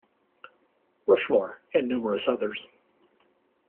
Rushmore; and numerous others.